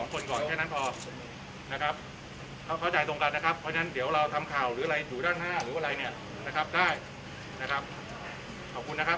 เพราะฉะนั้นพอนะครับเขาเข้าใจตรงกันนะครับเพราะฉะนั้นเดี๋ยวเราทำข่าวหรืออะไรอยู่ด้านหน้าหรืออะไรเนี่ยนะครับได้นะครับขอบคุณนะครับ